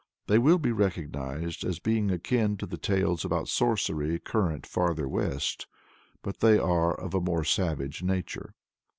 They will be recognized as being akin to the tales about sorcery current farther west, but they are of a more savage nature.